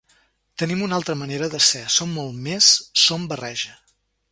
Tenim una altra manera de ser, som molt més, som barreja.